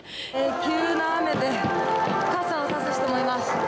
急な雨で傘を差す人もいます。